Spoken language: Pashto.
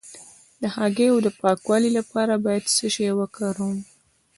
د هګیو د پاکوالي لپاره باید څه شی وکاروم؟